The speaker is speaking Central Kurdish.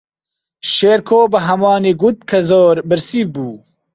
شێرکۆ بە ھەمووانی گوت کە زۆر برسی بوو.